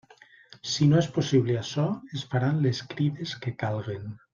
Si no és possible açò, es faran les crides que calguen.